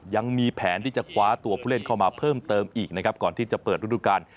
ยังมีแผนที่จะคว้าตัวผู้เล่นเข้ามาเพิ่มเติมอีกนะครับก่อนที่จะเปิดฤดูการ